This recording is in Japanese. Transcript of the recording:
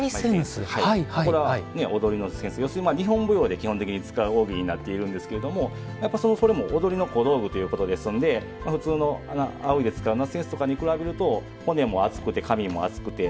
これは、踊りの扇子要するに日本舞踊で基本的に使う扇になっているんですがそれも踊りの小道具ということですので普通のあおいで使う扇子とかに比べると骨も厚くて紙も厚くて。